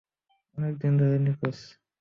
অনেক দিন ধরে নিখুঁজ।